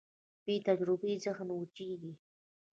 بېتجربې ذهن وچېږي.